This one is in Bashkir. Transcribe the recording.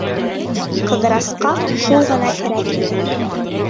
Ҡыҙырасҡа шул ғына кәрәк ине.